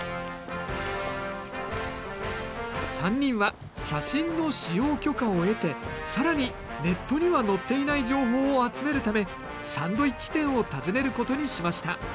３人は写真の使用許可を得て更にネットにはのっていない情報を集めるためサンドイッチ店を訪ねることにしました。